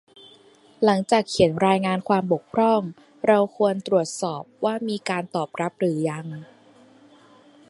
หลังจากเขียนรายงานความบกพร่อง เราควรตรวจสอบว่ามีการตอบรับหรือยัง